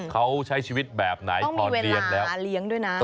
เขาใช้ชีวิตแบบไหนพอเรียนแล้วเขามีเวลามาเลี้ยงด้วยนะ